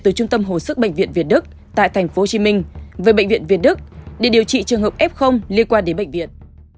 từ trung tâm hồ sức bệnh viện việt đức tại tp hcm về bệnh viện việt đức để điều trị trường hợp f liên quan đến bệnh viện